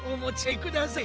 くくさい。